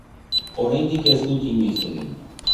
Oraindik ez dut inoiz egin.